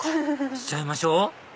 しちゃいましょう